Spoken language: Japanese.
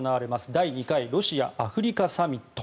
第２回ロシア・アフリカサミット